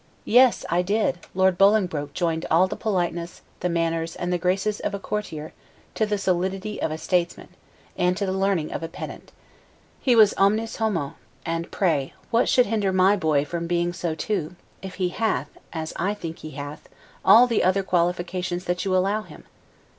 Yes, I did; Lord Bolingbroke joined all the politeness, the manners, and the graces of a courtier, to the solidity of a statesman, and to the learning of a pedant. He was 'omnis homo'; and pray what should hinder my boy from being so too, if he 'hath, as I think he hath, all the other qualifications that you allow him?